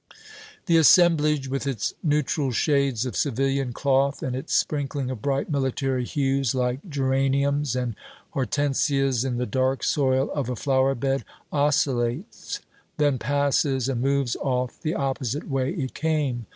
The assemblage, with its neutral shades of civilian cloth and its sprinkling of bright military hues like geraniums and hortensias in the dark soil of a flowerbed oscillates, then passes, and moves off the opposite way it came.